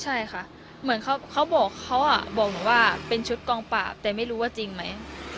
ใช่ค่ะเหมือนเขาบอกเขาบอกหนูว่าเป็นชุดกองปราบแต่ไม่รู้ว่าจริงไหม